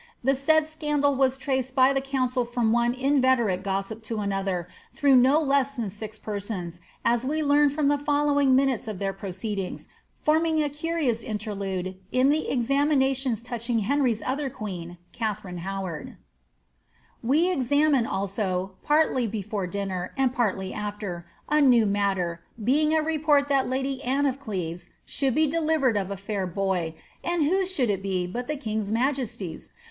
The said scandal was traced by the council from one inveterate gossip to another, through no less than six persons, as we learn from the follow ing minute of their proceedings, forming a curious interlude in the ex aminations touching Henry's other queen, Katharine Howard :—^ We examined, also, partly before dinner and partly after, a new nut ter, being a report that the lady Anne of Cleves should be delivered of a fair boy, and whose should it be but the king s majesty's